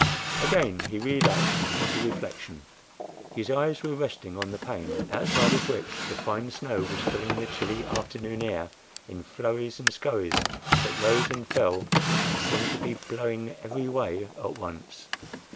Again he relapsed into reflection. His eyes were resting on the pane outside of which the fine snow was filling the chilly afternoon air in flurries and scurries that rose and fell and seemed to be blowing every way at once.